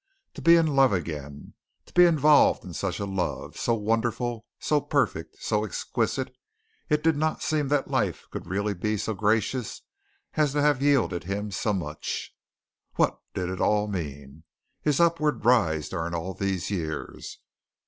To be in love again. To be involved in such a love, so wonderful, so perfect, so exquisite, it did not seem that life could really be so gracious as to have yielded him so much. What did it all mean, his upward rise during all these years?